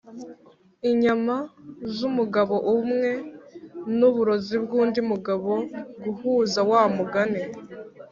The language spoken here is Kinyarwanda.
inyama zumugabo umwe nuburozi bwundi mugabo guhuza wa mugani